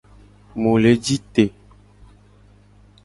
Mu le ji te.